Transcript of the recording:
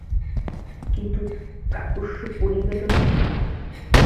কিন্তু কাকস্য পরিবেদনা!